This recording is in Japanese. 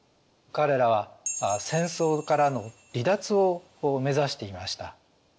彼らは戦争からの離脱を目指していました。